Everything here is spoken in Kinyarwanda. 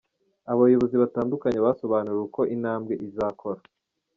Abayobozi batandukanye basobanuriwe uko "intambwe" izakora.